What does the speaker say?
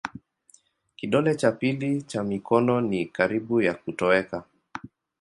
Kidole cha pili cha mikono ni karibu ya kutoweka.